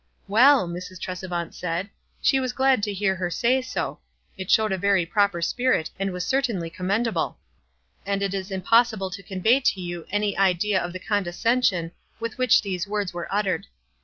"Well," Mrs. Tresevant said, "she was glad to hear hei gay so; it showed a very propes WISE AND OTHERWISE. 115 spirit, and was certainly commendable." And it is impossible to convey to you any idea of the condescension with which these words were uttered.